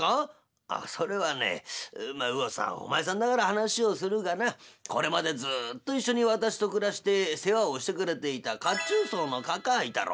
「ああそれはねうおさんお前さんだから話をするがなこれまでずっと一緒に私と暮らして世話をしてくれていた褐虫藻のカカァいたろ？